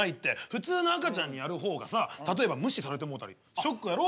普通の赤ちゃんにやる方がさ例えば無視されてもうたりショックやろ？